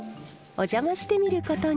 お邪魔してみることに。